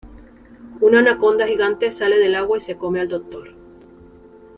Una anaconda gigante sale del agua y se come al Dr.